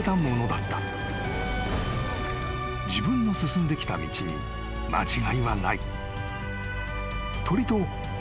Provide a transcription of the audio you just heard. ［自分の進んできた道に間違いはない］